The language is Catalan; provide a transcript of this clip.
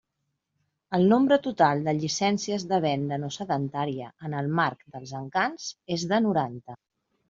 El nombre total de llicències de Venda No Sedentària en el marc dels Encants és de noranta.